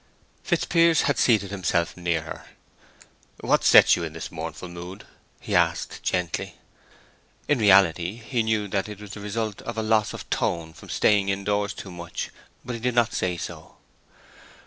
Fitzpiers had seated himself near her. "What sets you in this mournful mood?" he asked, gently. (In reality he knew that it was the result of a loss of tone from staying in doors so much, but he did not say so.)